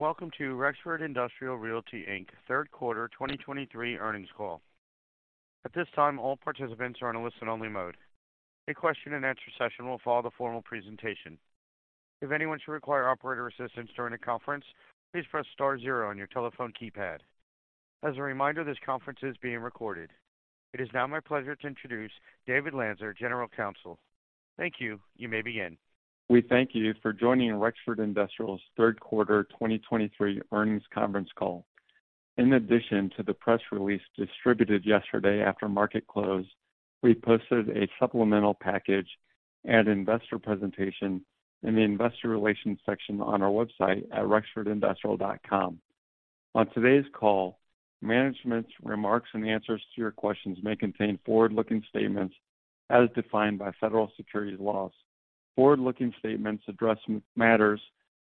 Welcome to Rexford Industrial Realty Inc. third quarter 2023 earnings call. At this time, all participants are on a listen-only mode. A question-and-answer session will follow the formal presentation. If anyone should require operator assistance during the conference, please press star zero on your telephone keypad. As a reminder, this conference is being recorded. It is now my pleasure to introduce David Lanzer, General Counsel. Thank you. You may begin. We thank you for joining Rexford Industrial's third quarter 2023 earnings conference call. In addition to the press release distributed yesterday after market close, we posted a supplemental package and investor presentation in the investor relations section on our website at rexfordindustrial.com. On today's call, management's remarks and answers to your questions may contain forward-looking statements as defined by federal securities laws. Forward-looking statements address matters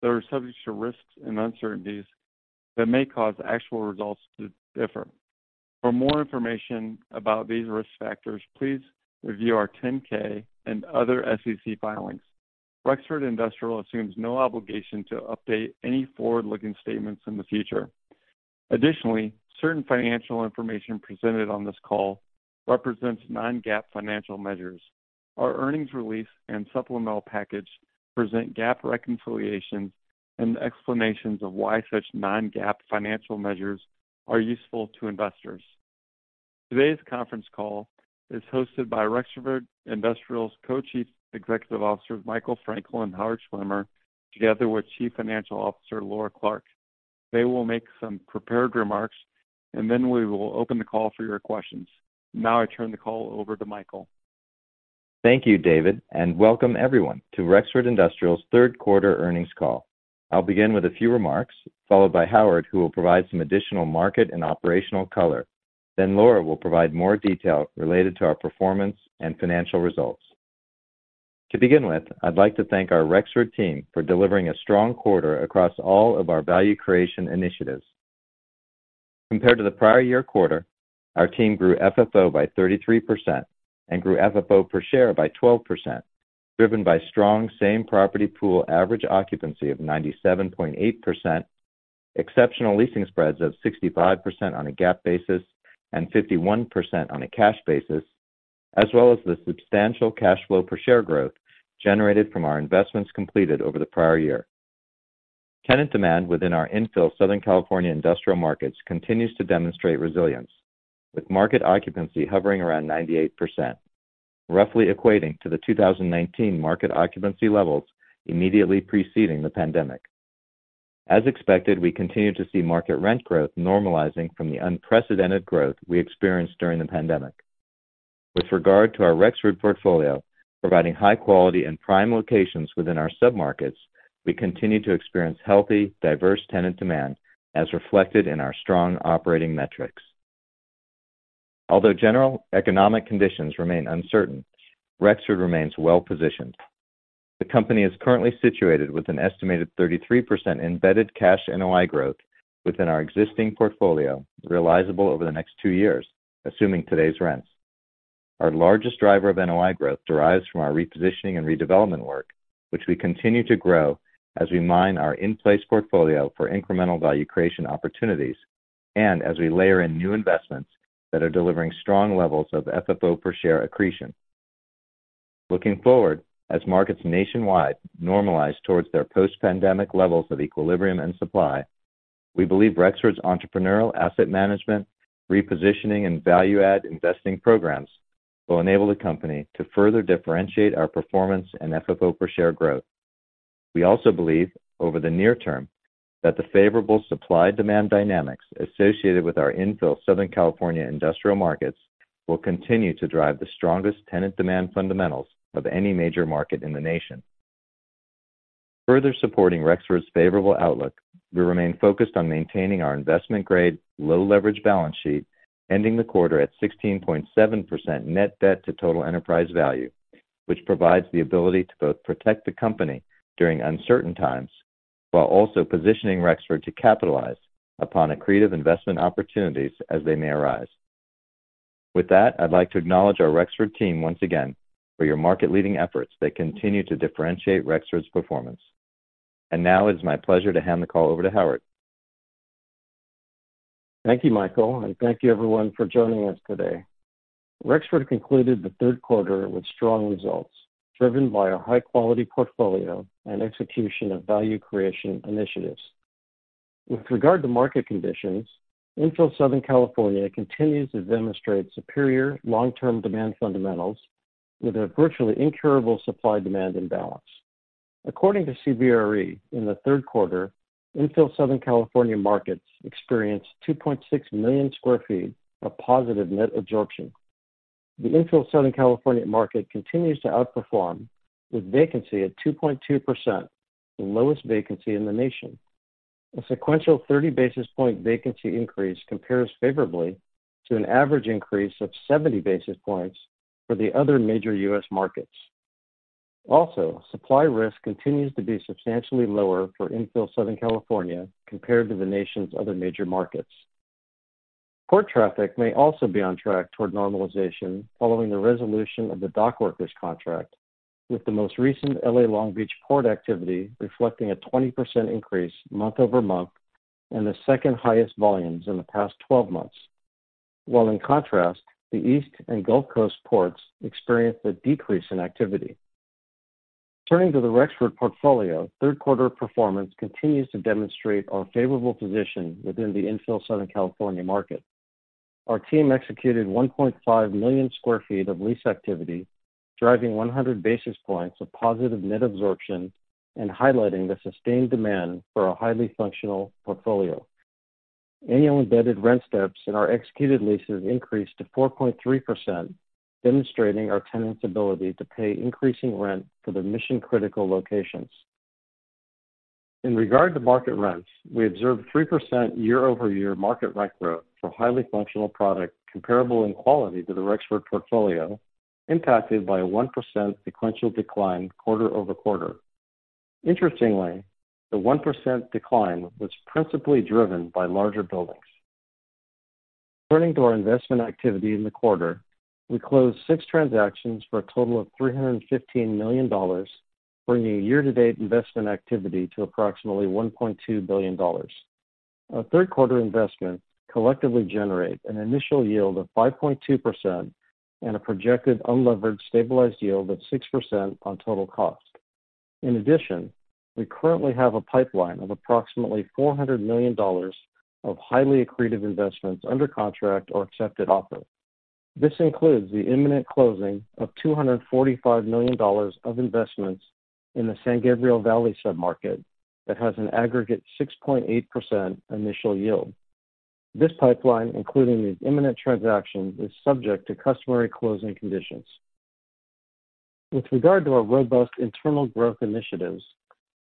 that are subject to risks and uncertainties that may cause actual results to differ. For more information about these risk factors, please review our 10-K and other SEC filings. Rexford Industrial assumes no obligation to update any forward-looking statements in the future. Additionally, certain financial information presented on this call represents non-GAAP financial measures. Our earnings release and supplemental package present GAAP reconciliations and explanations of why such non-GAAP financial measures are useful to investors. Today's conference call is hosted by Rexford Industrial's Co-Chief Executive Officers, Michael Frankel and Howard Schwimmer, together with Chief Financial Officer, Laura Clark. They will make some prepared remarks, and then we will open the call for your questions. Now I turn the call over to Michael. Thank you, David, and welcome everyone to Rexford Industrial's third quarter earnings call. I'll begin with a few remarks, followed by Howard, who will provide some additional market and operational color. Then Laura will provide more detail related to our performance and financial results. To begin with, I'd like to thank our Rexford team for delivering a strong quarter across all of our value creation initiatives. Compared to the prior year quarter, our team grew FFO by 33% and grew FFO per share by 12%, driven by strong same property pool average occupancy of 97.8%, exceptional leasing spreads of 65% on a GAAP basis and 51% on a cash basis, as well as the substantial cash flow per share growth generated from our investments completed over the prior year. Tenant demand within our infill Southern California industrial markets continues to demonstrate resilience, with market occupancy hovering around 98%, roughly equating to the 2019 market occupancy levels immediately preceding the pandemic. As expected, we continue to see market rent growth normalizing from the unprecedented growth we experienced during the pandemic. With regard to our Rexford portfolio, providing high quality and prime locations within our submarkets, we continue to experience healthy, diverse tenant demand, as reflected in our strong operating metrics. Although general economic conditions remain uncertain, Rexford remains well-positioned. The company is currently situated with an estimated 33% embedded cash NOI growth within our existing portfolio, realizable over the next two years, assuming today's rents. Our largest driver of NOI growth derives from our repositioning and redevelopment work, which we continue to grow as we mine our in-place portfolio for incremental value creation opportunities and as we layer in new investments that are delivering strong levels of FFO per share accretion. Looking forward, as markets nationwide normalize towards their post-pandemic levels of equilibrium and supply, we believe Rexford's entrepreneurial asset management, repositioning and value-add investing programs will enable the company to further differentiate our performance and FFO per share growth. We also believe, over the near term, that the favorable supply-demand dynamics associated with our infill Southern California industrial markets will continue to drive the strongest tenant demand fundamentals of any major market in the nation. Further supporting Rexford's favorable outlook, we remain focused on maintaining our investment grade, low leverage balance sheet, ending the quarter at 16.7% net debt to total enterprise value, which provides the ability to both protect the company during uncertain times, while also positioning Rexford to capitalize upon accretive investment opportunities as they may arise. With that, I'd like to acknowledge our Rexford team once again for your market leading efforts that continue to differentiate Rexford's performance. Now it's my pleasure to hand the call over to Howard. Thank you, Michael, and thank you everyone for joining us today. Rexford concluded the third quarter with strong results, driven by a high-quality portfolio and execution of value creation initiatives. With regard to market conditions, infill Southern California continues to demonstrate superior long-term demand fundamentals with a virtually incurable supply-demand imbalance. According to CBRE, in the third quarter, infill Southern California markets experienced 2.6 million sq ft of positive net absorption. The infill Southern California market continues to outperform, with vacancy at 2.2%, the lowest vacancy in the nation. A sequential 30 basis point vacancy increase compares favorably to an average increase of 70 basis points for the other major U.S. markets. Also, supply risk continues to be substantially lower for infill Southern California compared to the nation's other major markets. Port traffic may also be on track toward normalization following the resolution of the dockworkers contract, with the most recent LA Long Beach port activity reflecting a 20% increase month-over-month and the second-highest volumes in the past 12 months. While in contrast, the East Coast and Gulf Coast ports experienced a decrease in activity. Turning to the Rexford portfolio, third quarter performance continues to demonstrate our favorable position within the infill Southern California market. Our team executed 1.5 million sq ft of lease activity, driving 100 basis points of positive net absorption and highlighting the sustained demand for a highly functional portfolio. Annual embedded rent steps in our executed leases increased to 4.3%, demonstrating our tenants' ability to pay increasing rent for their mission-critical locations. In regard to market rents, we observed 3% year-over-year market rent growth for highly functional product, comparable in quality to the Rexford portfolio, impacted by a 1% sequential decline quarter-over-quarter. Interestingly, the 1% decline was principally driven by larger buildings. Turning to our investment activity in the quarter, we closed six transactions for a total of $315 million, bringing year-to-date investment activity to approximately $1.2 billion. Our third quarter investment collectively generate an initial yield of 5.2% and a projected unlevered stabilized yield of 6% on total cost. In addition, we currently have a pipeline of approximately $400 million of highly accretive investments under contract or accepted offers. This includes the imminent closing of $245 million of investments in the San Gabriel Valley sub-market that has an aggregate 6.8% initial yield. This pipeline, including the imminent transaction, is subject to customary closing conditions. With regard to our robust internal growth initiatives,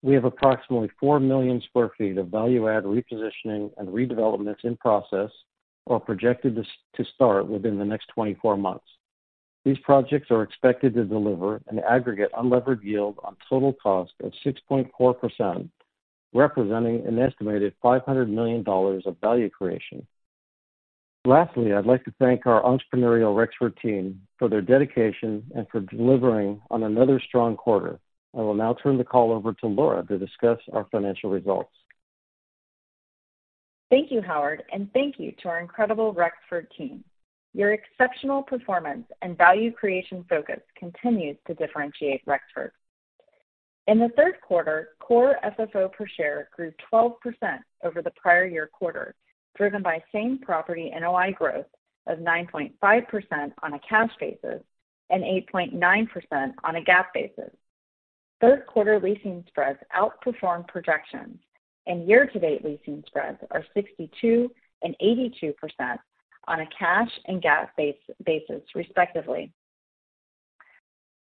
we have approximately 4 million sq ft of value add repositioning and redevelopments in process or projected to start within the next 24 months. These projects are expected to deliver an aggregate unlevered yield on total cost of 6.4%, representing an estimated $500 million of value creation. Lastly, I'd like to thank our entrepreneurial Rexford team for their dedication and for delivering on another strong quarter. I will now turn the call over to Laura to discuss our financial results. Thank you, Howard, and thank you to our incredible Rexford team. Your exceptional performance and value creation focus continues to differentiate Rexford. In the third quarter, core FFO per share grew 12% over the prior year quarter, driven by same property NOI growth of 9.5% on a cash basis and 8.9% on a GAAP basis. Third quarter leasing spreads outperformed projections, and year-to-date leasing spreads are 62% and 82% on a cash and GAAP basis, respectively.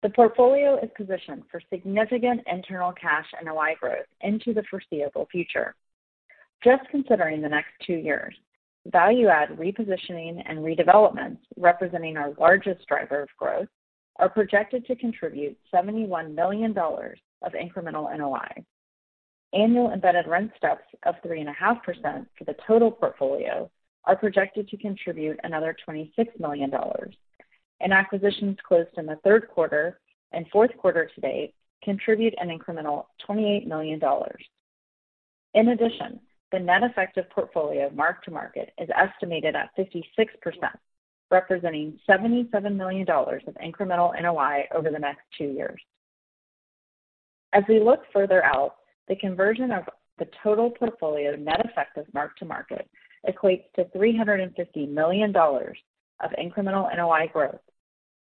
The portfolio is positioned for significant internal cash and NOI growth into the foreseeable future. Just considering the next two years, value add repositioning and redevelopments, representing our largest driver of growth, are projected to contribute $71 million of incremental NOI. Annual embedded rent steps of 3.5% for the total portfolio are projected to contribute another $26 million, and acquisitions closed in the third quarter and fourth quarter to-date contribute an incremental $28 million. In addition, the net effective portfolio mark-to-market is estimated at 56%, representing $77 million of incremental NOI over the next two years. As we look further out, the conversion of the total portfolio net effective mark-to-market equates to $350 million of incremental NOI growth,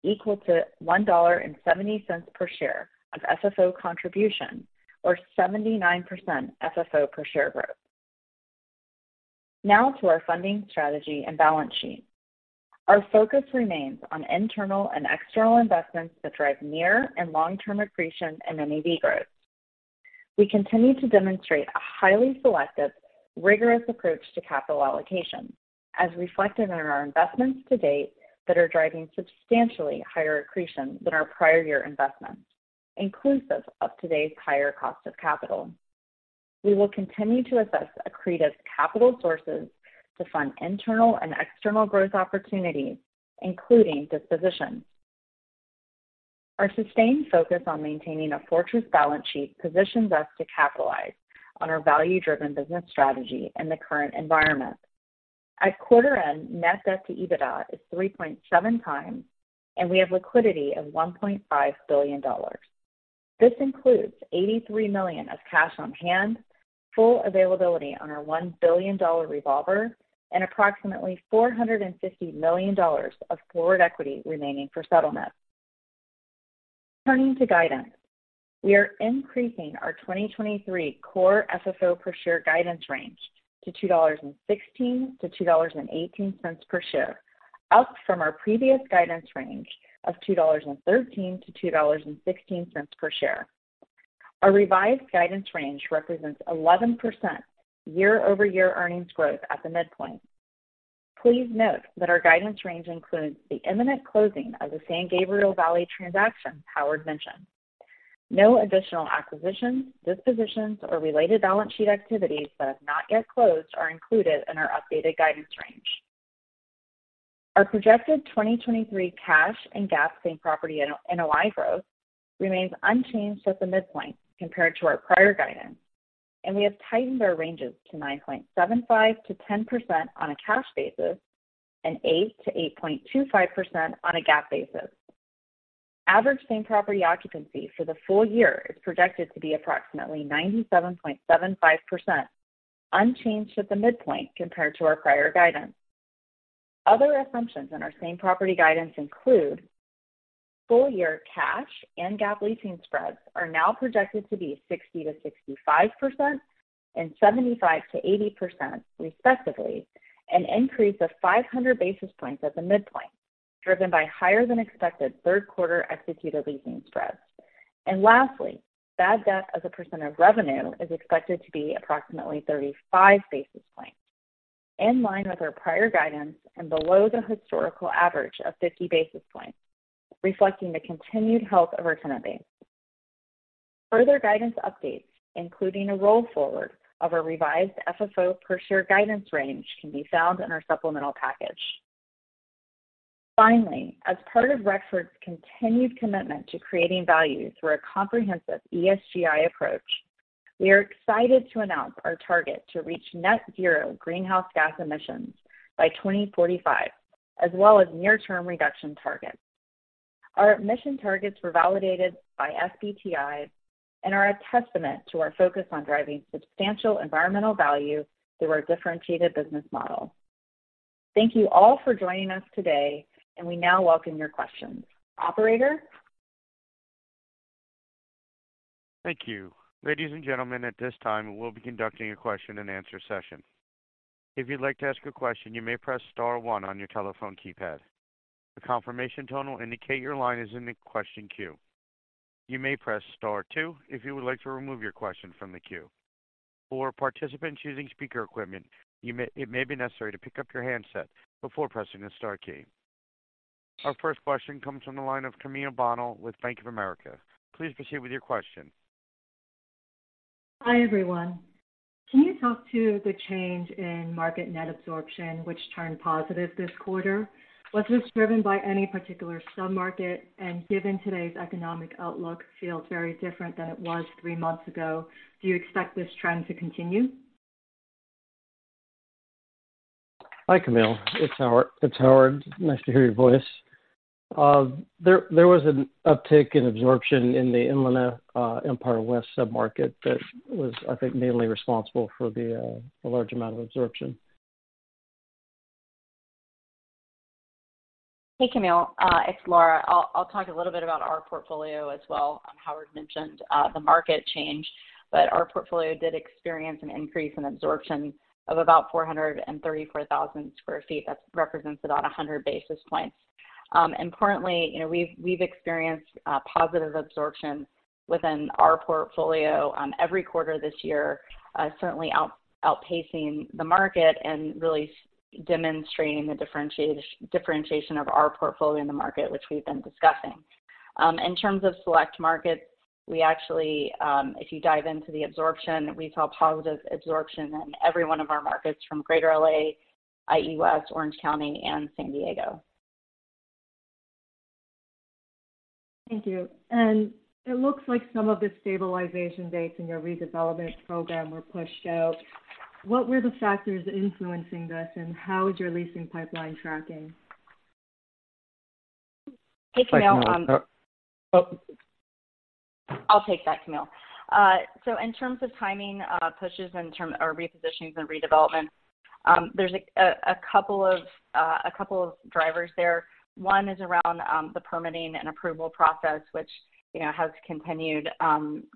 equal to $1.70 per share of FFO contribution or 79% FFO per share growth. Now to our funding strategy and balance sheet. Our focus remains on internal and external investments that drive near and long-term accretion and NAV growth. We continue to demonstrate a highly selective, rigorous approach to capital allocation, as reflected in our investments to-date that are driving substantially higher accretion than our prior year investments, inclusive of today's higher cost of capital. We will continue to assess accretive capital sources to fund internal and external growth opportunities, including dispositions. Our sustained focus on maintaining a fortress balance sheet positions us to capitalize on our value-driven business strategy in the current environment. At quarter end, net debt to EBITDA is 3.7x, and we have liquidity of $1.5 billion. This includes $83 million of cash on hand, full availability on our $1 billion revolver, and approximately $450 million of forward equity remaining for settlement. Turning to guidance, we are increasing our 2023 Core FFO per share guidance range to $2.16-$2.18 per share, up from our previous guidance range of $2.13-$2.16 per share. Our revised guidance range represents 11% year-over-year earnings growth at the midpoint. Please note that our guidance range includes the imminent closing of the San Gabriel Valley transaction Howard mentioned. No additional acquisitions, dispositions, or related balance sheet activities that have not yet closed are included in our updated guidance range. Our projected 2023 cash and GAAP same-property NOI growth remains unchanged at the midpoint compared to our prior guidance, and we have tightened our ranges to 9.75%-10% on a cash basis and 8%-8.25% on a GAAP basis. Average same-property occupancy for the full year is projected to be approximately 97.75%, unchanged at the midpoint compared to our prior guidance. Other assumptions in our same-property guidance include full year cash and GAAP leasing spreads are now projected to be 60%-65% and 75%-80% respectively, an increase of 500 basis points at the midpoint, driven by higher than expected third quarter executed leasing spreads. Lastly, bad debt as a percent of revenue is expected to be approximately 35 basis points, in line with our prior guidance and below the historical average of 50 basis points, reflecting the continued health of our tenant base. Further guidance updates, including a roll forward of our revised FFO per share guidance range, can be found in our supplemental package. Finally, as part of Rexford's continued commitment to creating value through a comprehensive ESG approach, we are excited to announce our target to reach net zero greenhouse gas emissions by 2045, as well as near-term reduction targets. Our emission targets were validated by SBTi and are a testament to our focus on driving substantial environmental value through our differentiated business model. Thank you all for joining us today, and we now welcome your questions. Operator? Thank you. Ladies and gentlemen, at this time, we'll be conducting a question-and-answer session. If you'd like to ask a question, you may press star one on your telephone keypad. A confirmation tone will indicate your line is in the question queue. You may press star two if you would like to remove your question from the queue. For participants using speaker equipment, it may be necessary to pick up your handset before pressing the star key. Our first question comes from the line of Camille Bonnel with Bank of America. Please proceed with your question. Hi, everyone. Can you talk to the change in market net absorption, which turned positive this quarter? Was this driven by any particular submarket? Given today's economic outlook feels very different than it was three months ago, do you expect this trend to continue? Hi, Camille, it's Howard. Nice to hear your voice. There was an uptick in absorption in the Inland Empire West submarket. That was, I think, mainly responsible for the large amount of absorption. Hey, Camille, it's Laura. I'll talk a little bit about our portfolio as well. Howard mentioned the market change, but our portfolio did experience an increase in absorption of about 434,000 sq ft. That represents about 100 basis points. Importantly, you know, we've experienced positive absorption within our portfolio on every quarter this year, certainly outpacing the market and really demonstrating the differentiation of our portfolio in the market, which we've been discussing. In terms of select markets, we actually, if you dive into the absorption, we saw positive absorption in every one of our markets, from Greater LA, IE West, Orange County, and San Diego. Thank you. It looks like some of the stabilization dates in your redevelopment program were pushed out. What were the factors influencing this, and how is your leasing pipeline tracking? Hey, Camille, Oh. I'll take that, Camille. So in terms of timing pushes, or repositionings and redevelopments, there's a couple of drivers there. One is around the permitting and approval process, which, you know, has continued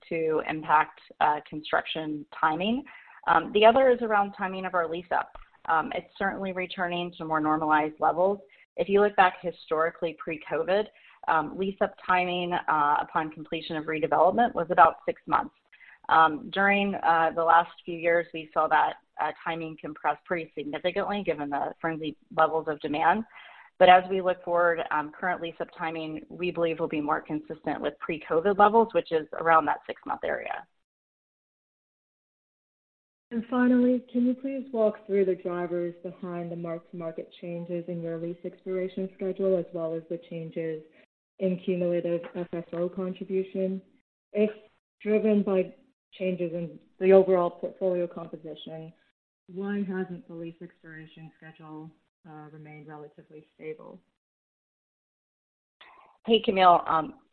to impact construction timing. The other is around timing of our lease-up. It's certainly returning to more normalized levels. If you look back historically, pre-COVID, lease-up timing upon completion of redevelopment was about six months. During the last few years, we saw that timing compress pretty significantly, given the friendly levels of demand. But as we look forward, currently, lease-up timing, we believe, will be more consistent with pre-COVID levels, which is around that six-month area. Finally, can you please walk through the drivers behind the mark-to-market changes in your lease expiration schedule, as well as the changes in cumulative FFO contribution? It's driven by changes in the overall portfolio composition. Why hasn't the lease expiration schedule remained relatively stable? Hey, Camille,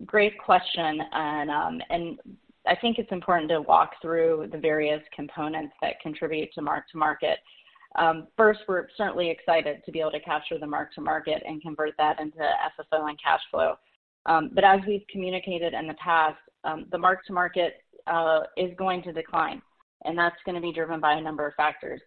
great question, and I think it's important to walk through the various components that contribute to mark-to-market. First, we're certainly excited to be able to capture the mark-to-market and convert that into FFO and cash flow. But as we've communicated in the past, the mark-to-market is going to decline, and that's going to be driven by a number of factors.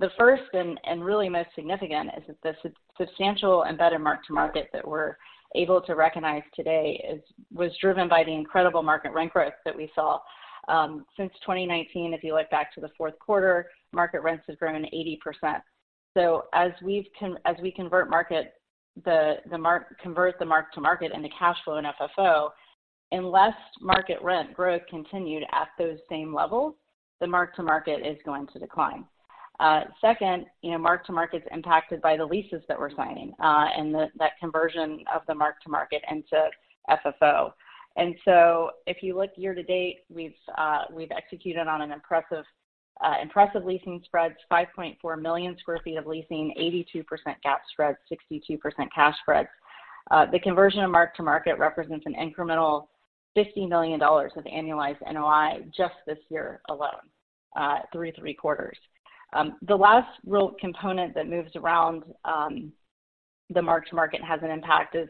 The first and really most significant is that the substantial and better mark-to-market that we're able to recognize today was driven by the incredible market rent growth that we saw. Since 2019, if you look back to the fourth quarter, market rents have grown 80%. As we convert the mark-to-market into cash flow and FFO, unless market rent growth continued at those same levels, the mark-to-market is going to decline. Second, you know, mark-to-market is impacted by the leases that we're signing, and that conversion of the mark-to-market into FFO. If you look year-to-date, we've executed on impressive leasing spreads, 5.4 million sq ft of leasing, 82% GAAP spreads, 62% cash spreads. The conversion of mark-to-market represents an incremental $50 million of annualized NOI just this year alone, through three quarters. The last real component that moves around the mark-to-market has an impact is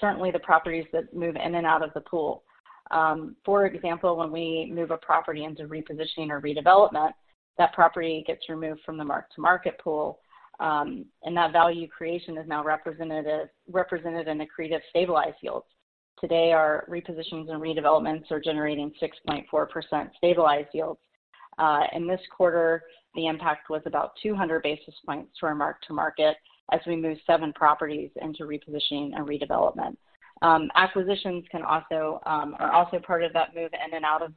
certainly the properties that move in and out of the pool. For example, when we move a property into repositioning or redevelopment, that property gets removed from the mark-to-market pool, and that value creation is now represented in accreted stabilized yields. Today, our repositions and redevelopments are generating 6.4% stabilized yields. In this quarter, the impact was about 200 basis points to our mark-to-market as we moved seven properties into repositioning and redevelopment. Acquisitions are also part of that move in and out of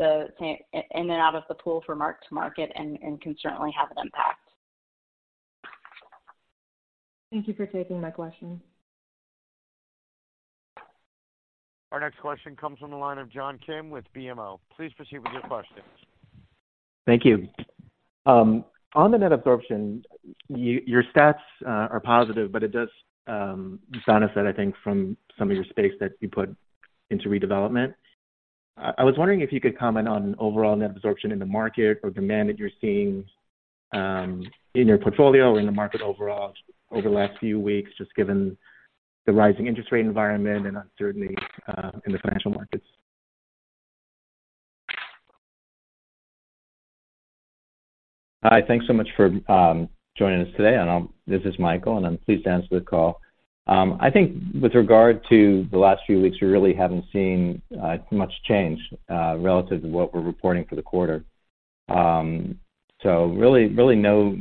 the pool for mark-to-market and can certainly have an impact. Thank you for taking my question. Our next question comes from the line of John Kim with BMO. Please proceed with your questions. Thank you. On the net absorption, your stats are positive, but it does benefit, I think, from some of your space that you put into redevelopment. I was wondering if you could comment on overall net absorption in the market or demand that you're seeing in your portfolio or in the market overall over the last few weeks, just given the rising interest rate environment and uncertainty in the financial markets? Hi, thanks so much for joining us today. This is Michael, and I'm pleased to answer the call. I think with regard to the last few weeks, we really haven't seen much change relative to what we're reporting for the quarter. So really no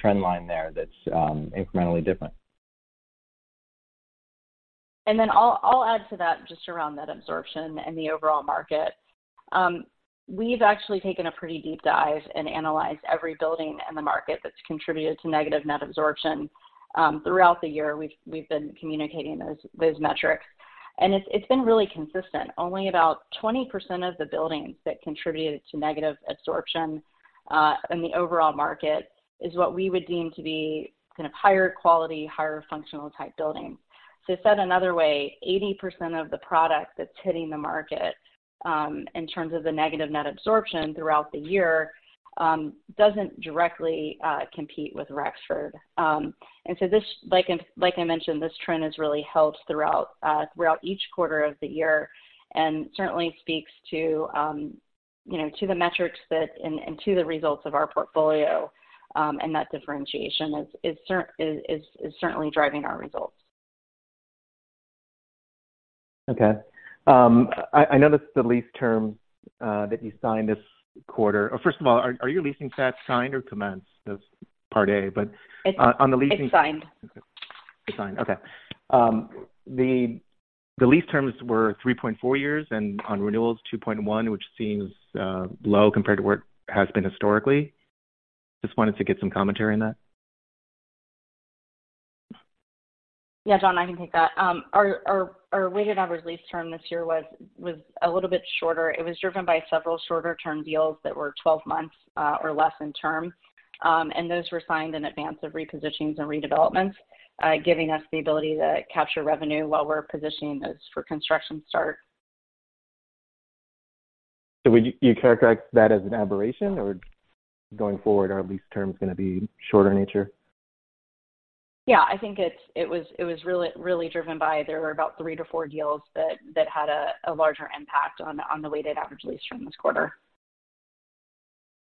trend line there that's incrementally different. Then I'll add to that just around net absorption and the overall market. We've actually taken a pretty deep dive and analyzed every building in the market that's contributed to negative net absorption. Throughout the year, we've been communicating those metrics, and it's been really consistent. Only about 20% of the buildings that contributed to negative absorption in the overall market is what we would deem to be kind of higher quality, higher functional type buildings. So said another way, 80% of the product that's hitting the market in terms of the negative net absorption throughout the year doesn't directly compete with Rexford. So this, like I mentioned, this trend has really held throughout each quarter of the year, and certainly speaks to, you know, to the metrics that and to the results of our portfolio, and that differentiation is certainly driving our results. Okay. I noticed the lease term that you signed this quarter. First of all, are your leasing stats signed or commenced? That's part A, but- It's- on the leasing It's signed. Okay. It's signed. Okay. The lease terms were 3.4 years, and on renewals, 2.1, which seems low compared to where it has been historically. Just wanted to get some commentary on that. Yeah, John, I can take that. Our weighted average lease term this year was a little bit shorter. It was driven by several shorter-term deals that were 12 months or less in term, and those were signed in advance of repositions and redevelopments, giving us the ability to capture revenue while we're positioning those for construction start. Would you characterize that as an aberration, or going forward, are lease terms gonna be shorter in nature? Yeah, I think it's... It was really, really driven by, there were about 3-4 deals that had a larger impact on the weighted average lease term this quarter.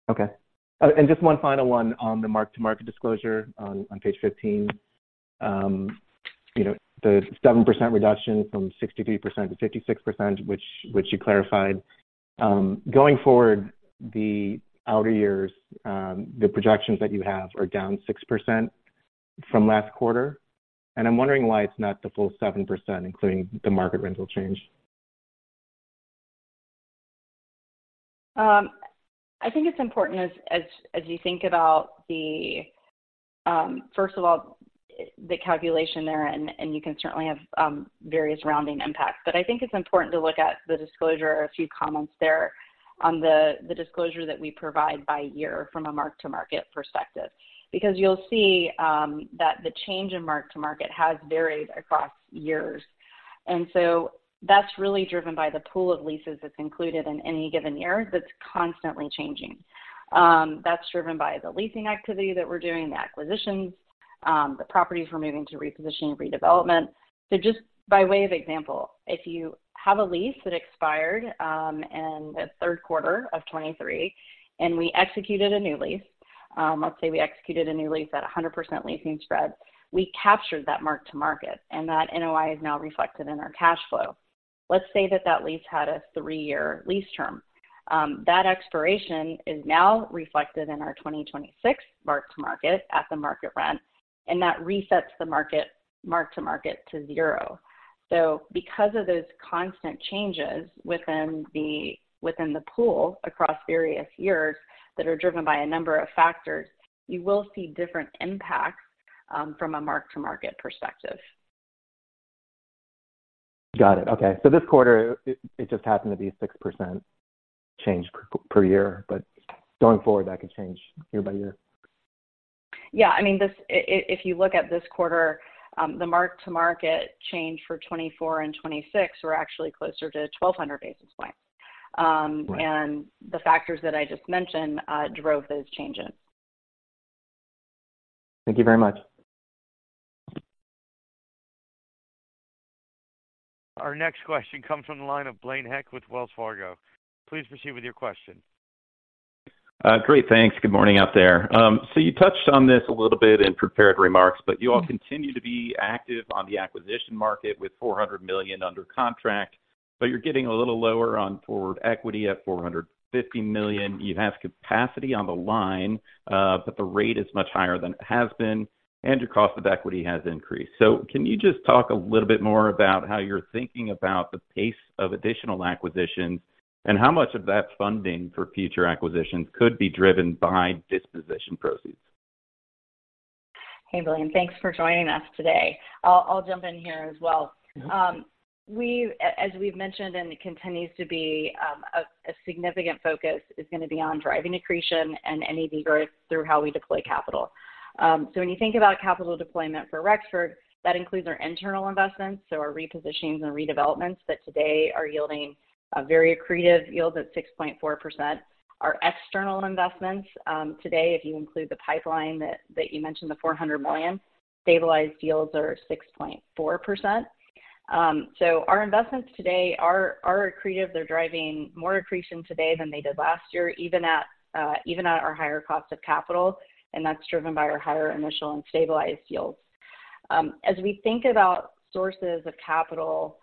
Okay. Just one final one on the mark-to-market disclosure on page 15. You know, the 7% reduction from 63%-56%, which you clarified. Going forward, the outer years, the projections that you have are down 6% from last quarter, and I'm wondering why it's not the full 7%, including the market rental change? I think it's important as you think about the, first of all, the calculation there, and you can certainly have various rounding impacts. But I think it's important to look at the disclosure or a few comments there on the disclosure that we provide by year from a mark-to-market perspective, because you'll see that the change in mark-to-market has varied across years. So that's really driven by the pool of leases that's included in any given year that's constantly changing. That's driven by the leasing activity that we're doing, the acquisitions, the properties we're moving to reposition and redevelopment. So just by way of example, if you have a lease that expired, in the third quarter of 2023, and we executed a new lease, let's say we executed a new lease at a 100% leasing spread, we captured that mark-to-market, and that NOI is now reflected in our cash flow. Let's say that that lease had a three-year lease term. That expiration is now reflected in our 2026 mark-to-market at the market rent, and that resets the market mark-to-market to zero. So because of those constant changes within the pool across various years that are driven by a number of factors, you will see different impacts, from a mark-to-market perspective. Got it. Okay. So this quarter, it just happened to be a 6% change per year, but going forward, that could change year-by-year? Yeah. I mean, if you look at this quarter, the mark-to-market change for 24 and 26 were actually closer to 1,200 basis points. Right. The factors that I just mentioned drove those changes. Thank you very much. Our next question comes from the line of Blaine Heck with Wells Fargo. Please proceed with your question. Great, thanks. Good morning out there. So you touched on this a little bit in prepared remarks, but you all continue to be active on the acquisition market with $400 million under contract, but you're getting a little lower on forward equity at $450 million. You have capacity on the line, but the rate is much higher than it has been, and your cost of equity has increased. So can you just talk a little bit more about how you're thinking about the pace of additional acquisitions, and how much of that funding for future acquisitions could be driven by disposition proceeds? Hey, Blaine, thanks for joining us today. I'll jump in here as well. Yeah. As we've mentioned, and it continues to be a significant focus, is gonna be on driving accretion and NAV growth through how we deploy capital. So when you think about capital deployment for Rexford, that includes our internal investments, so our repositions and redevelopments that today are yielding a very accretive yield at 6.4%. Our external investments, today, if you include the pipeline that you mentioned, the $400 million, stabilized yields are 6.4%. So our investments today are accretive. They're driving more accretion today than they did last year, even at our higher cost of capital, and that's driven by our higher initial and stabilized yields. As we think about sources of capital,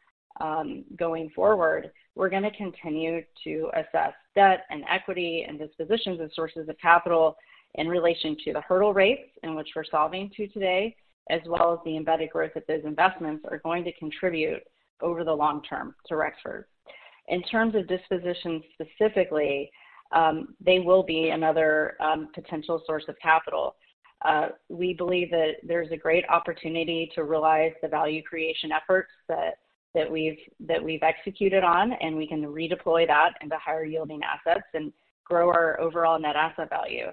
going forward, we're gonna continue to assess debt and equity and dispositions of sources of capital in relation to the hurdle rates in which we're solving to today, as well as the embedded growth that those investments are going to contribute over the long term to Rexford. In terms of dispositions specifically, they will be another potential source of capital. We believe that there's a great opportunity to realize the value creation efforts that we've executed on, and we can redeploy that into higher-yielding assets and grow our overall net asset value.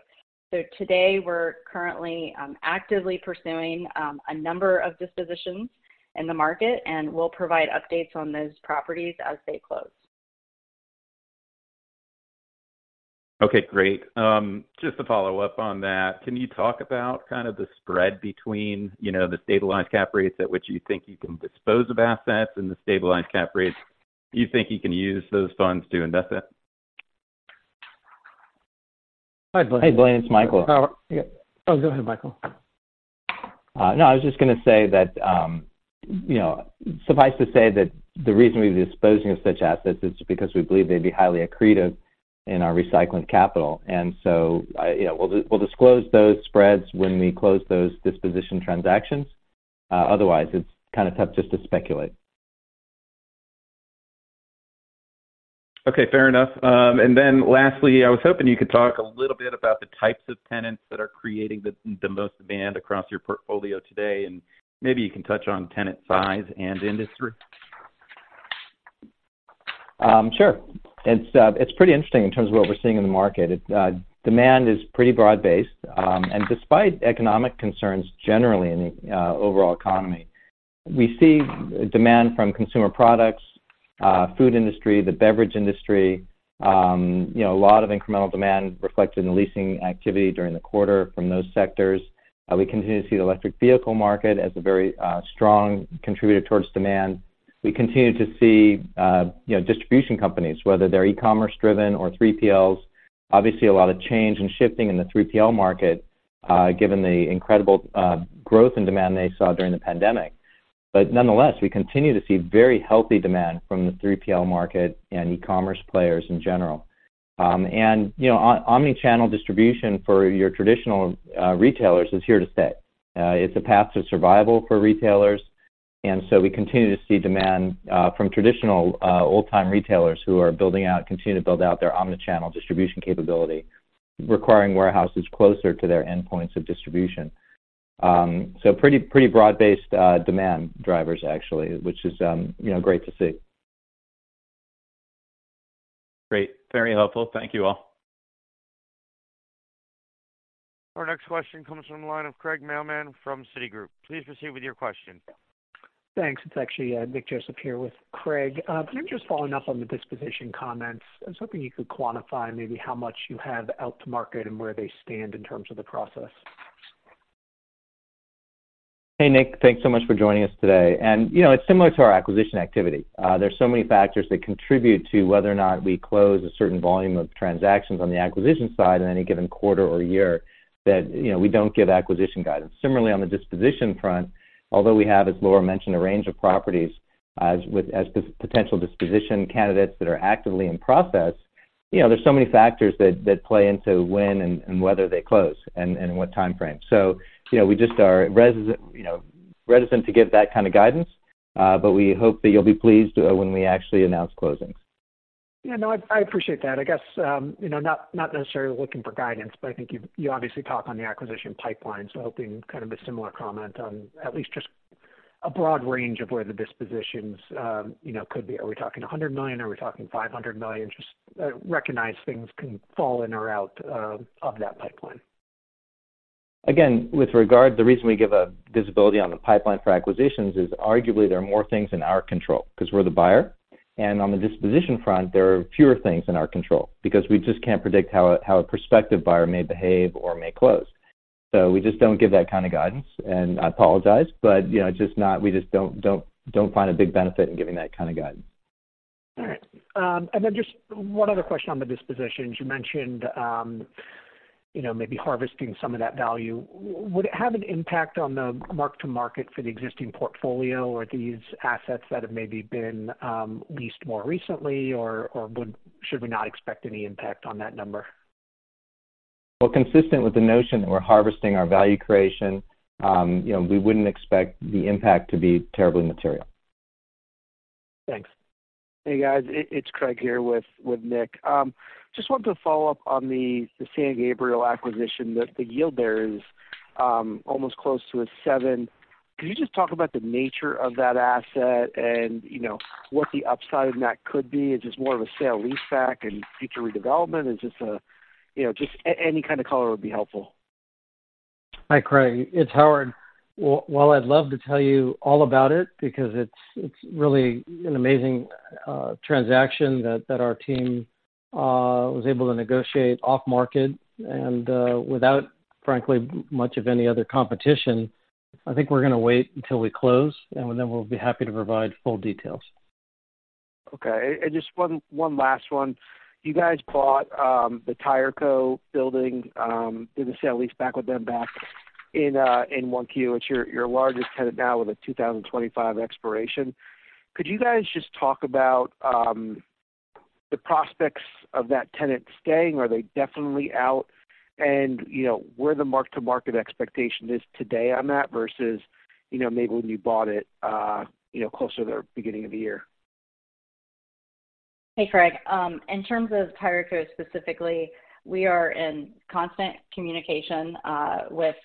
So today, we're currently actively pursuing a number of dispositions in the market, and we'll provide updates on those properties as they close. Okay, great. Just to follow up on that, can you talk about kind of the spread between, you know, the stabilized cap rates at which you think you can dispose of assets and the stabilized cap rates you think you can use those funds to invest in? Hey, Blaine, it's Michael. Yeah. Oh, go ahead, Michael. No, I was just gonna say that, you know, suffice to say that the reason we're disposing of such assets is because we believe they'd be highly accretive in our recycling capital., and so, you know, we'll disclose those spreads when we close those disposition transactions. Otherwise, it's kind of tough just to speculate. Okay, fair enough. Then lastly, I was hoping you could talk a little bit about the types of tenants that are creating the most demand across your portfolio today, and maybe you can touch on tenant size and industry? Sure. It's pretty interesting in terms of what we're seeing in the market. Demand is pretty broad-based, and despite economic concerns generally in the overall economy, we see demand from consumer products, food industry, the beverage industry. You know, a lot of incremental demand reflected in the leasing activity during the quarter from those sectors. We continue to see the electric vehicle market as a very strong contributor towards demand. We continue to see, you know, distribution companies, whether they're e-commerce driven or 3PLs. Obviously, a lot of change in shipping in the 3PL market, given the incredible growth and demand they saw during the pandemic. But nonetheless, we continue to see very healthy demand from the 3PL market and e-commerce players in general. You know, omni-channel distribution for your traditional retailers is here to stay. It's a path to survival for retailers, and so we continue to see demand from traditional old-time retailers who are building out, continuing to build out their omni-channel distribution capability, requiring warehouses closer to their endpoints of distribution. So pretty broad-based demand drivers, actually, which is, you know, great to see. Great. Very helpful. Thank you, all. Our next question comes from the line of Craig Mailman from Citigroup. Please proceed with your question. Thanks. It's actually, Nick Joseph here with Craig. Maybe just following up on the disposition comments. I was hoping you could quantify maybe how much you have out to market and where they stand in terms of the process. Hey, Nick, thanks so much for joining us today. You know, it's similar to our acquisition activity. There's so many factors that contribute to whether or not we close a certain volume of transactions on the acquisition side in any given quarter or year, that, you know, we don't give acquisition guidance. Similarly, on the disposition front, although we have, as Laura mentioned, a range of properties with potential disposition candidates that are actively in process. You know, there's so many factors that play into when and whether they close and what time frame. So, you know, we just are reticent to give that kind of guidance, but we hope that you'll be pleased when we actually announce closings. Yeah, no, I appreciate that. I guess, you know, not, not necessarily looking for guidance, but I think you obviously talk on the acquisition pipeline, so hoping kind of a similar comment on at least just a broad range of where the dispositions, you know, could be. Are we talking $100 million? Are we talking $500 million? Just, recognize things can fall in or out, of that pipeline. Again, with regard, the reason we give a visibility on the pipeline for acquisitions is arguably there are more things in our control, 'cause we're the buyer. On the disposition front, there are fewer things in our control, because we just can't predict how a prospective buyer may behave or may close. We just don't give that kind of guidance, and I apologize, but, you know, we just don't find a big benefit in giving that kind of guidance. All right. Then just one other question on the dispositions. You mentioned, you know, maybe harvesting some of that value. Would it have an impact on the mark-to-market for the existing portfolio or these assets that have maybe been leased more recently, or should we not expect any impact on that number? Well, consistent with the notion that we're harvesting our value creation, you know, we wouldn't expect the impact to be terribly material. Thanks. Hey, guys, it's Craig here with Nick. Just wanted to follow up on the San Gabriel acquisition. The yield there is almost close to a seven. Could you just talk about the nature of that asset and, you know, what the upside of that could be? Is it just more of a sale-leaseback and future redevelopment, or just, you know, any kind of color would be helpful. Hi, Craig. It's Howard. Well, I'd love to tell you all about it because it's really an amazing transaction that our team was able to negotiate off-market and, without, frankly, much of any other competition. I think we're gonna wait until we close, and then we'll be happy to provide full details. Okay. Just one last one. You guys bought the Tireco building, did the sale-leaseback with them back in 1Q. It's your largest tenant now with a 2025 expiration. Could you guys just talk about the prospects of that tenant staying? Are they definitely out and, you know, where the mark-to-market expectation is today on that versus, you know, maybe when you bought it, closer to the beginning of the year. Hey, Craig. In terms of Tireco specifically, we are in constant communication with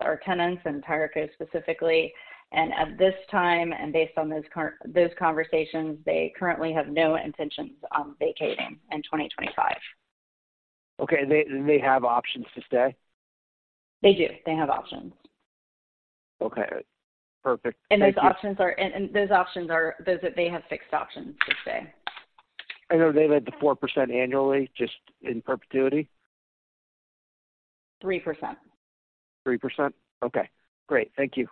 our tenants and Tireco specifically. At this time, and based on those conversations, they currently have no intentions on vacating in 2025. Okay, and they have options to stay? They do. They have options. Okay, perfect. Thank you. Those options are, they have fixed options to stay. I know they led to 4% annually, just in perpetuity? 3%. 3%? Okay, great. Thank you.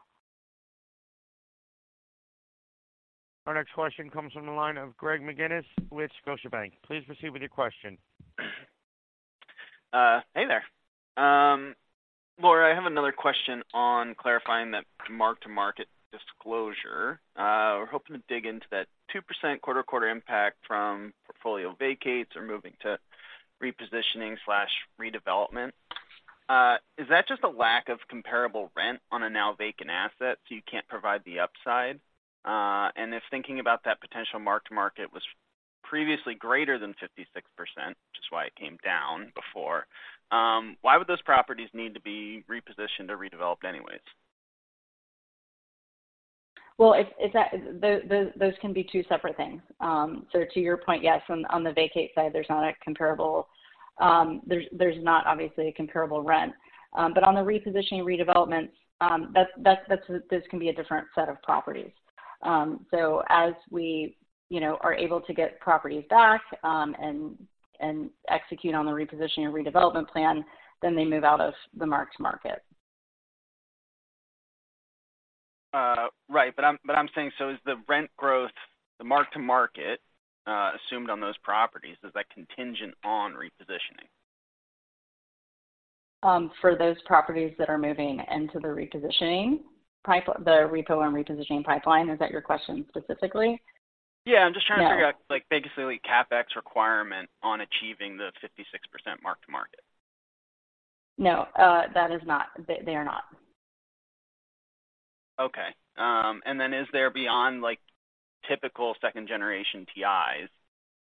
Our next question comes from the line of Greg McGinnis with Scotiabank. Please proceed with your question. Hey there. Laura, I have another question on clarifying that mark-to-market disclosure. We're hoping to dig into that 2% quarter-to-quarter impact from portfolio vacates or moving to repositioning slash redevelopment. Is that just a lack of comparable rent on a now vacant asset, so you can't provide the upside and if thinking about that potential mark-to-market was previously greater than 56%, which is why it came down before, why would those properties need to be repositioned or redeveloped anyways? Well, those can be two separate things. So to your point, yes, on the vacate side, there's not a comparable, there's not obviously a comparable rent. But on the repositioning redevelopments, this can be a different set of properties. So as we, you know, are able to get properties back, and execute on the repositioning and redevelopment plan, then they move out of the mark-to-market. Right. But I'm saying, so is the rent growth, the mark-to-market, assumed on those properties, is that contingent on repositioning? For those properties that are moving into the repositioning pipe, the repo and repositioning pipeline? Is that your question specifically? Yeah, I'm just trying to- No. Figure out, like, basically, CapEx requirement on achieving the 56% mark-to-market. No, that is not... They are not. Okay. Then is there beyond, like, typical second-generation TIs,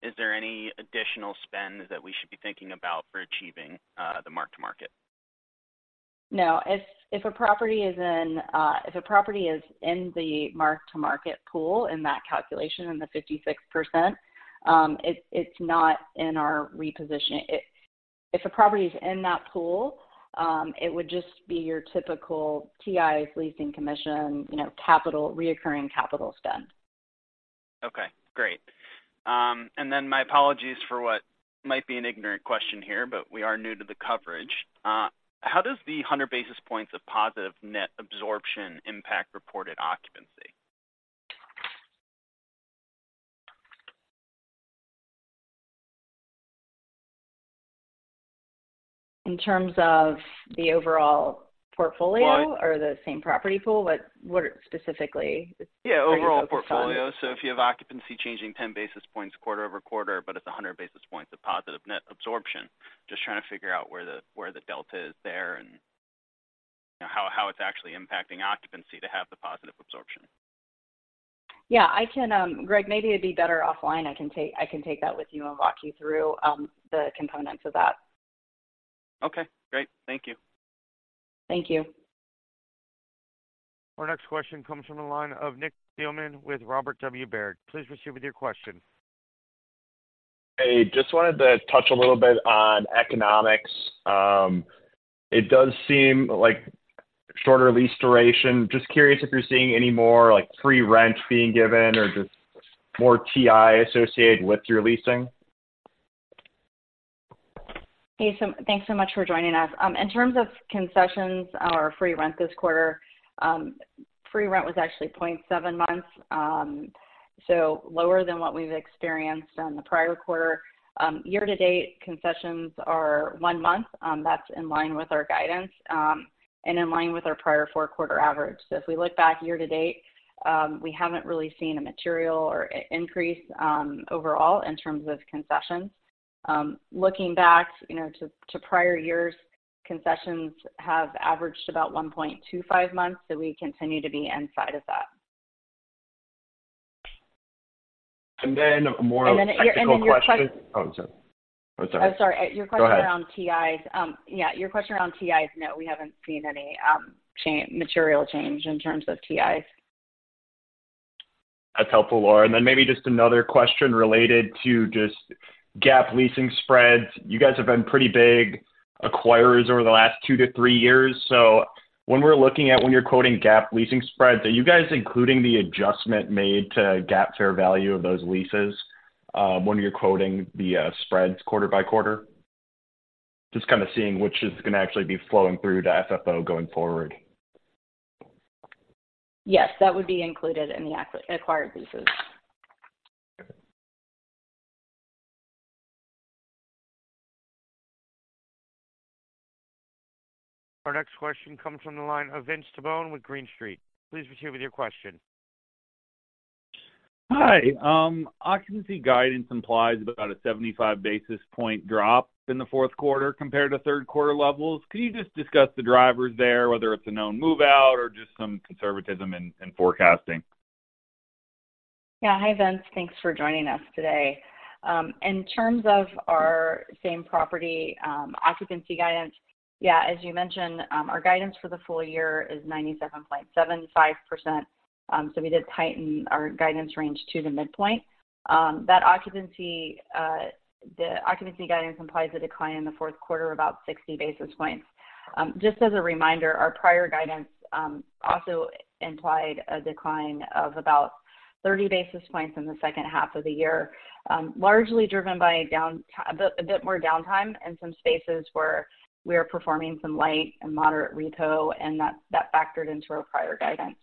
is there any additional spend that we should be thinking about for achieving the mark-to-market? No. If a property is in the mark-to-market pool, in that calculation, in the 56%, it's not in our reposition. If a property is in that pool, it would just be your typical TIs leasing commission, you know, capital, recurring capital spend. Okay, great. Then my apologies for what might be an ignorant question here, but we are new to the coverage. How does the 100 basis points of positive net absorption impact reported occupancy? In terms of the overall portfolio- Right. —or the same property pool? What specifically? Yeah, overall portfolio. So if you have occupancy changing 10 basis points quarter-over-quarter, but it's 100 basis points of positive net absorption, just trying to figure out where the delta is there and, you know, how it's actually impacting occupancy to have the positive absorption. Yeah, I can, Greg, maybe it'd be better offline. I can take that with you and walk you through the components of that. Okay, great. Thank you. Thank you. Our next question comes from the line of Nick Thillman with Robert W. Baird. Please proceed with your question. Hey, just wanted to touch a little bit on economics. It does seem like shorter lease duration. Just curious if you're seeing any more like free rent being given or just more TI associated with your leasing? Hey, thanks so much for joining us. In terms of concessions or free rent this quarter, free rent was actually 0.7 months, so lower than what we've experienced on the prior quarter. Year-to-date concessions are one month, that's in line with our guidance, and in line with our prior fourth quarter average. If we look back year-to-date, we haven't really seen a material increase, overall in terms of concessions. Looking back, you know, to prior years, concessions have averaged about 1.25 months, so we continue to be inside of that. Then more of a technical question- Then your question- Oh, I'm sorry. I'm sorry. I'm sorry. Your question- Go ahead. Around TIs. Yeah, your question around TIs. No, we haven't seen any material change in terms of TIs. That's helpful, Laura. Then maybe just another question related to just GAAP leasing spreads. You guys have been pretty big acquirers over the last 2-3 years. So when we're looking at when you're quoting GAAP leasing spreads, are you guys including the adjustment made to GAAP fair value of those leases, when you're quoting the spreads quarter by quarter? Just kind of seeing which is going to actually be flowing through to FFO going forward. Yes, that would be included in the acquired leases. Okay. Our next question comes from the line of Vince Tibone with Green Street. Please proceed with your question. Hi. Occupancy guidance implies about a 75 basis point drop in the fourth quarter compared to third quarter levels. Could you just discuss the drivers there, whether it's a known move-out or just some conservatism in forecasting? Yeah. Hi, Vince. Thanks for joining us today. In terms of our same property occupancy guidance, yeah, as you mentioned, our guidance for the full year is 97.75%. So we did tighten our guidance range to the midpoint. That occupancy guidance implies a decline in the fourth quarter, about 60 basis points. Just as a reminder, our prior guidance also implied a decline of about 30 basis points in the second half of the year, largely driven by a bit more downtime in some spaces where we are performing some light and moderate repo, and that factored into our prior guidance.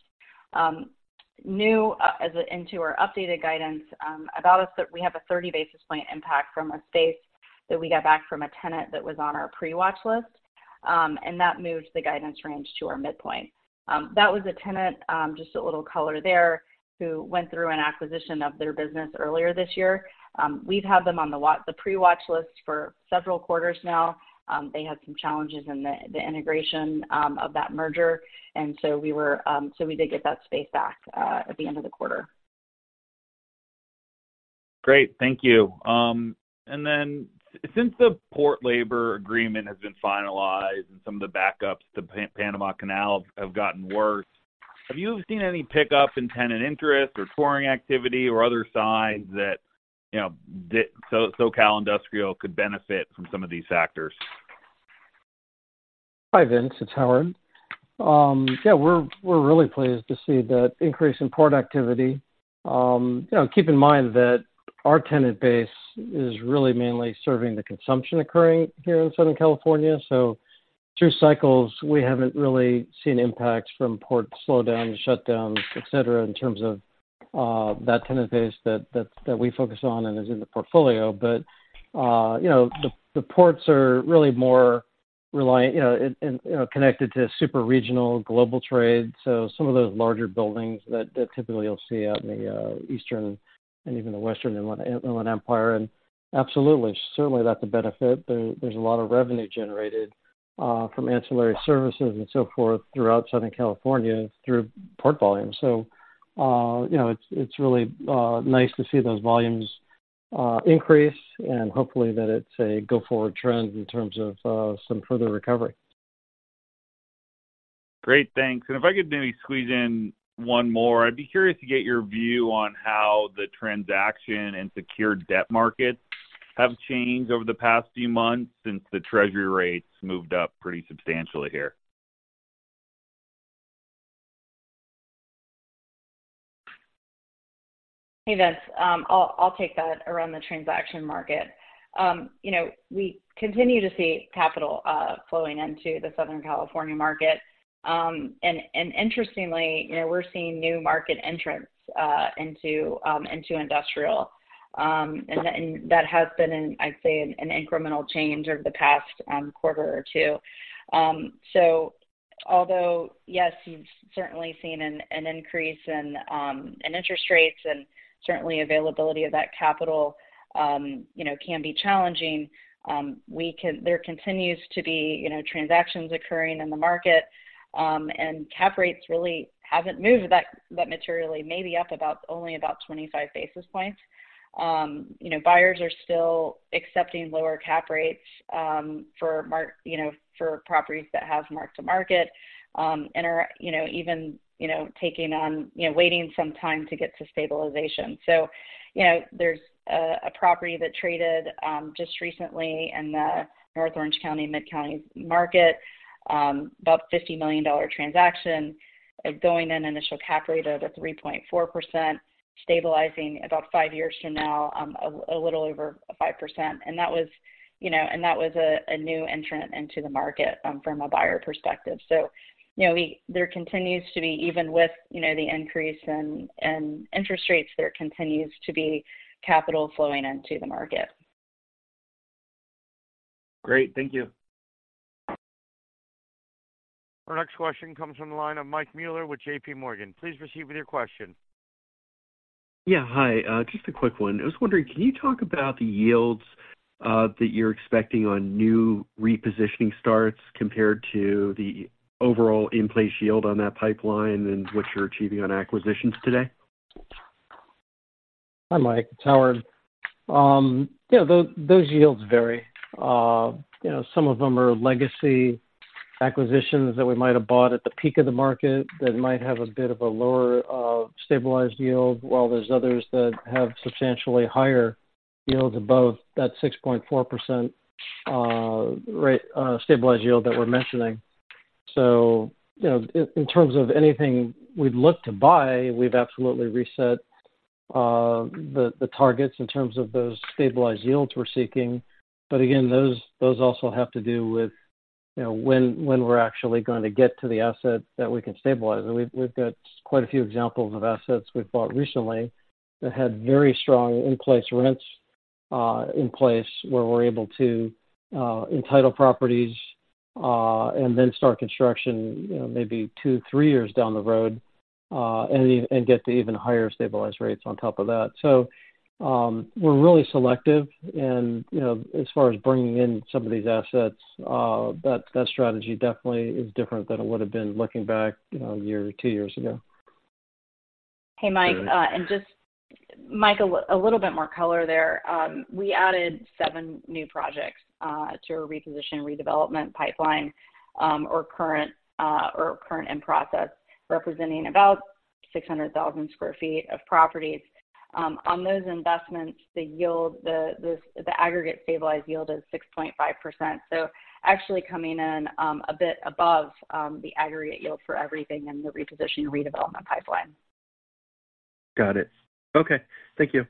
Now, as to our updated guidance, as we have a 30 basis point impact from a space that we got back from a tenant that was on our pre-watch list, and that moved the guidance range to our midpoint. That was a tenant, just a little color there, who went through an acquisition of their business earlier this year. We've had them on the pre-watch list for several quarters now. They had some challenges in the integration of that merger, and so we did get that space back at the end of the quarter. Great. Thank you. Then since the port labor agreement has been finalized and some of the backups to the Panama Canal have gotten worse, have you seen any pickup in tenant interest or touring activity or other signs that, you know, the SoCal Industrial could benefit from some of these factors? Hi, Vince, it's Howard. Yeah, we're really pleased to see that increase in port activity. You know, keep in mind that our tenant base is really mainly serving the consumption occurring here in Southern California. So through cycles, we haven't really seen impacts from port slowdowns, shutdowns, et cetera, in terms of that tenant base that we focus on and is in the portfolio. But you know, the ports are really more reliant, you know, and connected to super regional global trade. So some of those larger buildings that typically you'll see out in the Eastern and even the Western Inland Empire. Absolutely, certainly that's a benefit. There's a lot of revenue generated from ancillary services and so forth throughout Southern California through port volume. You know, it's really nice to see those volumes increase and hopefully that it's a go-forward trend in terms of some further recovery. Great, thanks. If I could maybe squeeze in one more, I'd be curious to get your view on how the transaction and secured debt markets have changed over the past few months since the Treasury rates moved up pretty substantially here. Hey, Vince, I'll take that around the transaction market. You know, we continue to see capital flowing into the Southern California market and interestingly, you know, we're seeing new market entrants into industrial. That has been, I'd say, an incremental change over the past quarter or two. Although, yes, you've certainly seen an increase in interest rates, and certainly availability of that capital, you know, can be challenging. There continues to be, you know, transactions occurring in the market, and cap rates really haven't moved that materially, maybe up about only about 25 basis points. You know, buyers are still accepting lower cap rates for, you know, for properties that have mark-to-market and are, you know, even taking on waiting some time to get to stabilization. So, you know, there's a property that traded just recently in the North Orange County, Mid-Counties market, about a $50 million transaction. It's going in initial cap rate of a 3.4%, stabilizing about five years from now, a little over 5%. That was, you know, and that was a new entrant into the market from a buyer perspective. So, you know, there continues to be even with, you know, the increase in interest rates, there continues to be capital flowing into the market. Great. Thank you. Our next question comes from the line of Mike Mueller with JPMorgan. Please proceed with your question. Yeah. Hi, just a quick one. I was wondering, can you talk about the yields that you're expecting on new repositioning starts compared to the overall in-place yield on that pipeline and what you're achieving on acquisitions today? Hi, Mike, it's Howard. Yeah, those yields vary. You know, some of them are legacy acquisitions that we might have bought at the peak of the market, that might have a bit of a lower stabilized yield, while there's others that have substantially higher yields above that 6.4% rate stabilized yield that we're mentioning. So, you know, in terms of anything we'd look to buy, we've absolutely reset the targets in terms of those stabilized yields we're seeking. But again, those also have to do with, you know, when we're actually going to get to the asset that we can stabilize. We've got quite a few examples of assets we've bought recently that had very strong in-place rents, in place where we're able to entitle properties, and then start construction, you know, maybe two, three years down the road, and get to even higher stabilized rates on top of that. We're really selective and, you know, as far as bringing in some of these assets, that strategy definitely is different than it would have been looking back, you know, a year or two years ago. Hey, Mike, and just... Mike, a little bit more color there. We added seven new projects to our reposition, redevelopment pipeline, or current, or current in process, representing about 600,000 sq ft of properties. On those investments, the yield, the aggregate stabilized yield is 6.5%. So actually coming in, a bit above, the aggregate yield for everything in the reposition, redevelopment pipeline. Got it. Okay. Thank you.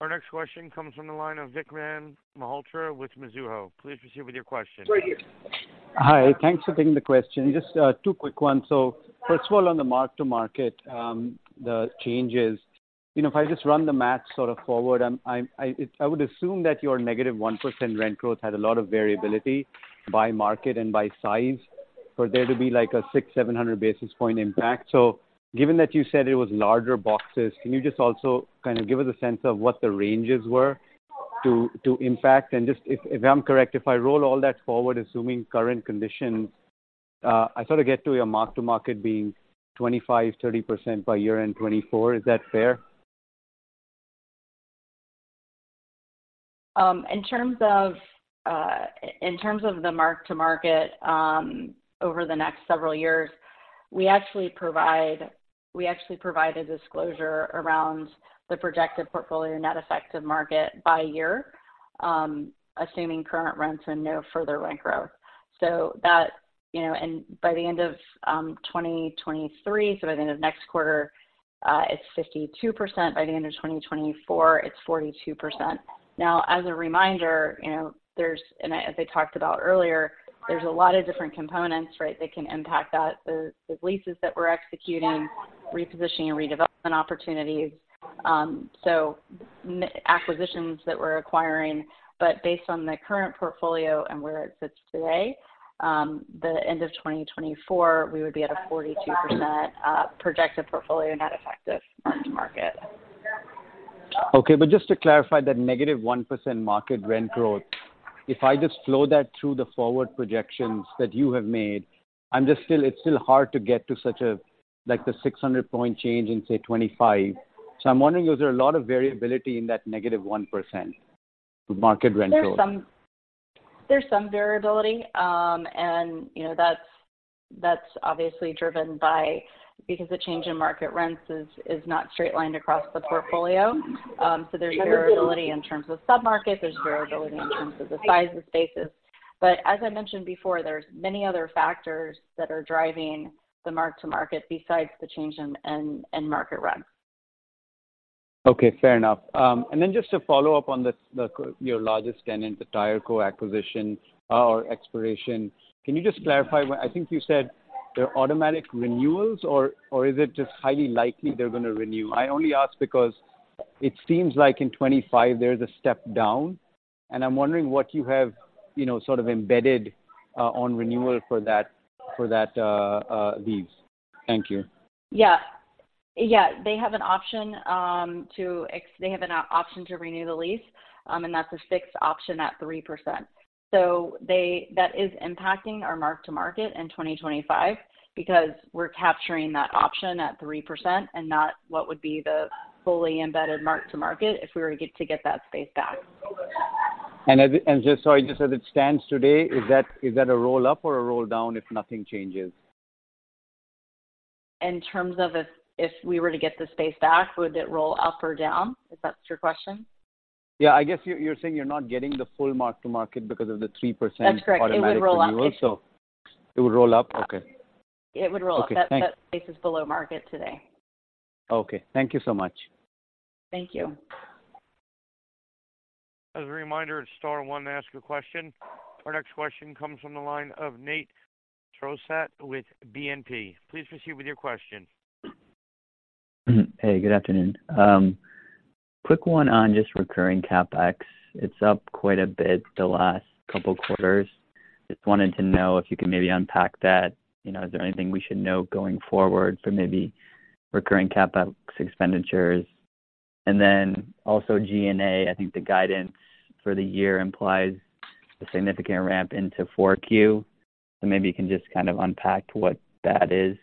Our next question comes from the line of Vikram Malhotra with Mizuho. Please proceed with your question. Right here. Hi, thanks for taking the question. Just, two quick ones. So first of all, on the mark-to-market, the changes, you know, if I just run the math sort of forward, I would assume that your -1% rent growth had a lot of variability by market and by size, for there to be like a 600-700 basis point impact. So given that you said it was larger boxes, can you just also kind of give us a sense of what the ranges were to impact and just if I'm correct, if I roll all that forward, assuming current conditions, I sort of get to your mark-to-market being 25%-30% by year-end 2024. Is that fair? In terms of the mark-to-market, over the next several years, we actually provide, we actually provide a disclosure around the projected portfolio net effect of mark-to-market by year, assuming current rents and no further rent growth. So that, you know, and by the end of 2023, so by the end of next quarter, it's 52%. By the end of 2024, it's 42%. Now, as a reminder, you know, there's... As I talked about earlier, there's a lot of different components, right, that can impact that. The leases that we're executing, repositioning and redevelopment opportunities, acquisitions that we're acquiring. But based on the current portfolio and where it sits today, the end of 2024, we would be at a 42%, projected portfolio net effective mark-to-market. Okay, but just to clarify that -1% market rent growth, if I just flow that through the forward projections that you have made, it's still hard to get to such a, like the 600-point change in, say, 2025. So I'm wondering, is there a lot of variability in that -1% market rent growth? There's some variability. You know, that's obviously driven by because the change in market rents is not straight-lined across the portfolio. So there's variability in terms of submarket, there's variability in terms of the size of spaces, but as I mentioned before, there's many other factors that are driving the mark-to-market besides the change in market rent. Okay, fair enough. Then just to follow up on your largest tenant, the Tireco acquisition or expiration. Can you just clarify? I think you said they're automatic renewals, or is it just highly likely they're going to renew? I only ask because it seems like in 2025 there's a step down, and I'm wondering what you have, you know, sort of embedded on renewal for that lease. Thank you. Yeah. Yeah. They have an option to renew the lease, and that's a fixed option at 3%. So that is impacting our mark-to-market in 2025 because we're capturing that option at 3% and not what would be the fully embedded mark-to-market if we were to get that space back. Just as it stands today, is that a roll up or a roll down if nothing changes? In terms of if we were to get the space back, would it roll up or down? Is that your question? Yeah. I guess you're saying you're not getting the full mark-to-market because of the 3%- That's correct. Automatic renewal. It would roll up. So it would roll up? Okay. It would roll up. Okay, thanks. That space is below market today. Okay. Thank you so much. Thank you. As a reminder, star one to ask a question. Our next question comes from the line of Nate Crossett with BNP. Please proceed with your question. Hey, good afternoon. Quick one on just recurring CapEx. It's up quite a bit the last couple quarters. Just wanted to know if you could maybe unpack that. You know, is there anything we should know going forward for maybe recurring CapEx expenditures? Then also G&A, I think the guidance for the year implies a significant ramp into 4Q. So maybe you can just kind of unpack what that is.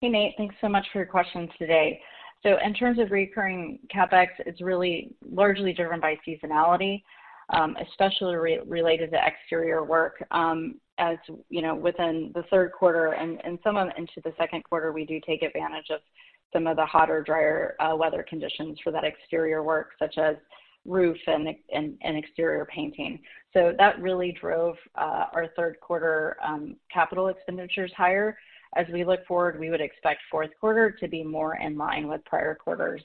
Hey, Nate, thanks so much for your questions today. So in terms of recurring CapEx, it's really largely driven by seasonality, especially related to exterior work. As you know, within the third quarter and some into the second quarter, we do take advantage of some of the hotter, drier weather conditions for that exterior work, such as roof and exterior painting. So that really drove our third quarter capital expenditures higher. As we look forward, we would expect fourth quarter to be more in line with prior quarters.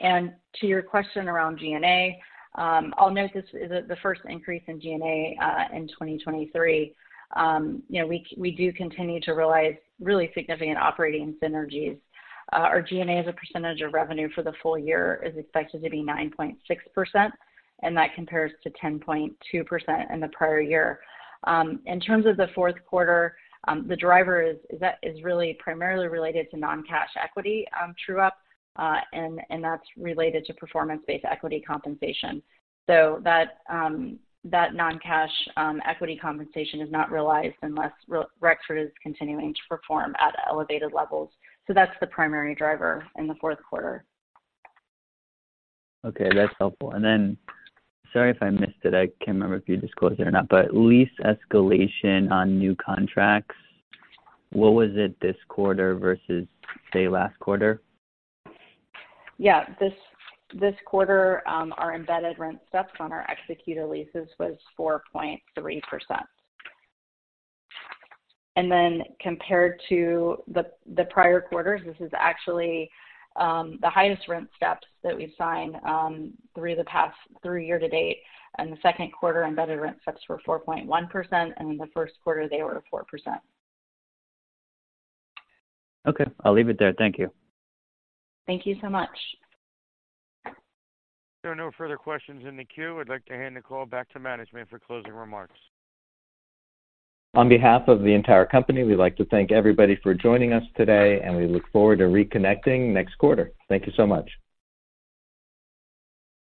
To your question around G&A, I'll note this is the first increase in G&A in 2023. You know, we do continue to realize really significant operating synergies. Our G&A as a percentage of revenue for the full year is expected to be 9.6%, and that compares to 10.2% in the prior year. In terms of the fourth quarter, the driver is really primarily related to non-cash equity true-up, and that's related to performance-based equity compensation. So that non-cash equity compensation is not realized unless Rexford is continuing to perform at elevated levels. So that's the primary driver in the fourth quarter. Okay, that's helpful. Then, sorry if I missed it, I can't remember if you disclosed it or not, but lease escalation on new contracts, what was it this quarter versus, say, last quarter? Yeah. This quarter, our embedded rent steps on our executed leases was 4.3%. Then compared to the prior quarters, this is actually the highest rent steps that we've signed through the past three-year to-date. In the second quarter, embedded rent steps were 4.1%, and in the first quarter, they were 4%. Okay, I'll leave it there. Thank you. Thank you so much. There are no further questions in the queue. I'd like to hand the call back to management for closing remarks. On behalf of the entire company, we'd like to thank everybody for joining us today, and we look forward to reconnecting next quarter. Thank you so much.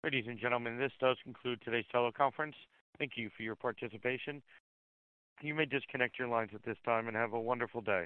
Ladies and gentlemen, this does conclude today's teleconference. Thank you for your participation. You may disconnect your lines at this time, and have a wonderful day.